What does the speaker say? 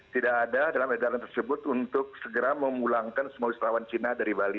tidak ada dalam edaran tersebut untuk segera memulangkan semua wisatawan cina dari bali